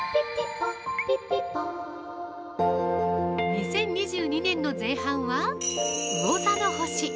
◆２０２２年の前半は魚座の星。